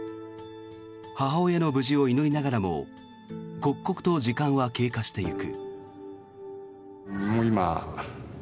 母親の無事を祈りながらも刻々と時間は経過してゆく。